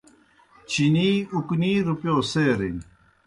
چینی اُکنِی روپِیؤ سیرِن۔